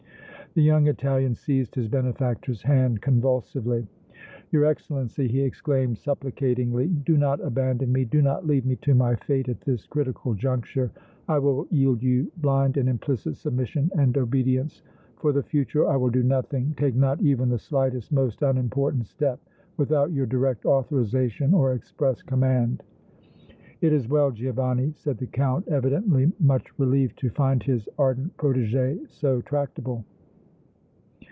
The young Italian seized his benefactor's hand convulsively. "Your Excellency," he exclaimed, supplicatingly, "do not abandon me, do not leave me to my fate at this critical juncture! I will yield you blind and implicit submission and obedience! For the future I will do nothing, take not even the slightest, most unimportant step without your direct authorization or express command!" "It is well, Giovanni," said the Count, evidently much relieved to find his ardent protégé so tractable.